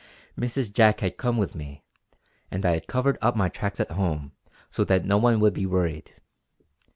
Mrs. Jack had come with me, and I had covered up my tracks at home so that no one would be worried.